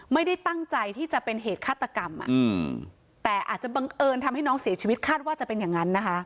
ไม่ได้ตั้งใจที่จะเป็นเหตุฆาตกรรมแต่อาจจะบังเอิญทำให้น้องเสียชีวิตคาดว่าจะเป็นอย่างนั้นนะคะ